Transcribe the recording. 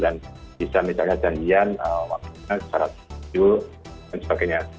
dan bisa misalnya janjian waktu itu secara suju dan sebagainya